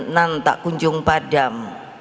nan tak kunjung padam